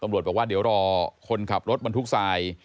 บอกว่าเดี๋ยวรอคนขับรถบรรทุกทราย